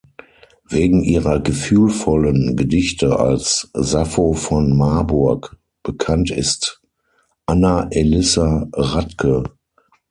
Wegen ihrer gefühlvollen Gedichte als "Sappho von Marburg" bekannt ist Anna Elissa Radke.